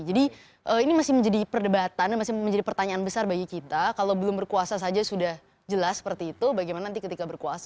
jadi ini masih menjadi perdebatan masih menjadi pertanyaan besar bagi kita kalau belum berkuasa saja sudah jelas seperti itu bagaimana nanti ketika berkuasa